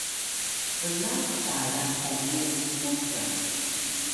blaq ktalan hongu utux ga?